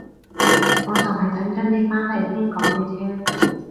我就係等緊你返嚟先講你聽